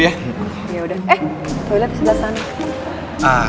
yaudah eh toilet di sana